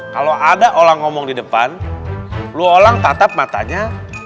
kalau ada orang ngomong di depan lolang tatap matanya